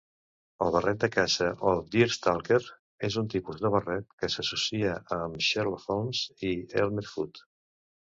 El barret de caça o Deerstalker és un tipus de barret que s'associa amb Sherlock Holmes i Elmer Fudd.